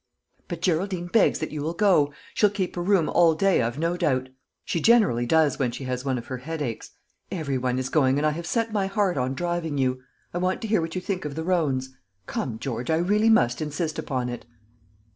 "But Geraldine begs that you will go. She'll keep her room all day, I've no doubt; she generally does, when she has one of her headaches. Every one is going, and I have set my heart on driving you. I want to hear what you think of the roans. Come, George, I really must insist upon it."